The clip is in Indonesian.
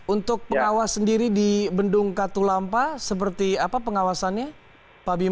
untuk pengawas sendiri di bendung katulampa seperti apa pengawasannya pak bima